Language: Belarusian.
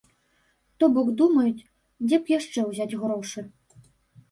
То бок, думаюць, дзе б яшчэ ўзяць грошы.